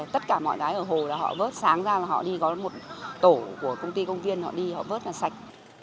tất cả mọi cái ở hồ là họ vớt sáng ra là họ đi có một tổ của công ty công viên họ đi họ vớt là sạch